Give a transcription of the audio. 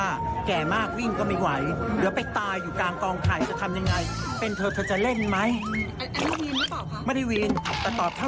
อาจารย์มียออะไรฝากไปถึงพี่ฤตอ้อนบ้างมั้ยค่ะ